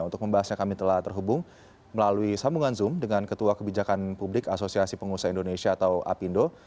untuk membahasnya kami telah terhubung melalui sambungan zoom dengan ketua kebijakan publik asosiasi pengusaha indonesia atau apindo